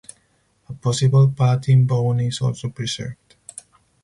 A possible palatine bone is also preserved.